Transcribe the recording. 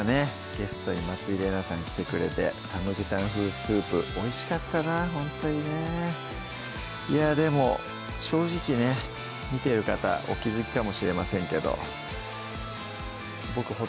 ゲストに松井玲奈さん来てくれて「サムゲタン風スープ」おいしかったなほんとにねいやでも正直ね見てる方お気づきかもしれませんけどまた